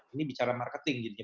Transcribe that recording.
ini bicara marketing gitu ya